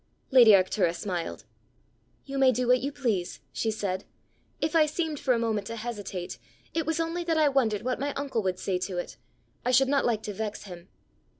Lady Arctura smiled. "You may do what you please," she said. "If I seemed for a moment to hesitate, it was only that I wondered what my uncle would say to it. I should not like to vex him."